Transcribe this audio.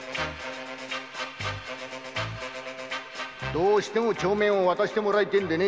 どうしても帳面を渡してもらいてえんでね